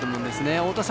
太田さん